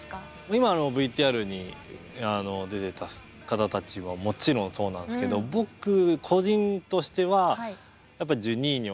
今のＶＴＲに出てた方たちももちろんそうなんですけど僕個人としてはやっぱりジュニーニョ。